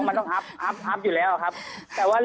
คุณเอกวีสนิทกับเจ้าแม็กซ์แค่ไหนคะ